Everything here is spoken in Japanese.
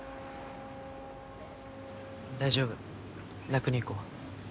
大丈夫楽に行こ。